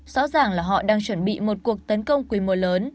rõ ràng là họ đang chuẩn bị một cuộc tấn công quy mô lớn